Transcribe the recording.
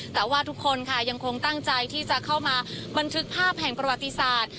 แต่ว่าทุกคนค่ะยังคงตั้งใจที่จะเข้ามาบันทึกภาพแห่งประวัติศาสตร์